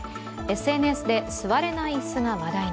ＳＮＳで座れない椅子が話題に。